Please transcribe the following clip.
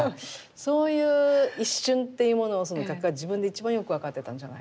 そういう一瞬っていうものを画家は自分で一番よく分かってたんじゃないかなと思うんですね。